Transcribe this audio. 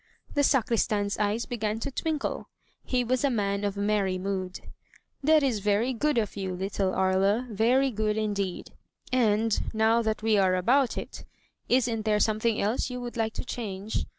The sacristan's eyes began to twinkle. He was a man of merry mood. "That is very good of you, little Aria; very good indeed. And, now that we are about it, isn't there something else you would like to change?